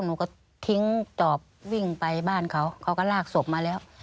หนูก็ทิ้งจอบวิ่งไปบ้านเค้าเค้าก็รากสบมาแล้ว